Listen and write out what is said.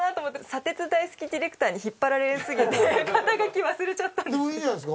砂鉄大好きディレクターに引っ張られすぎて肩書忘れちゃったんです。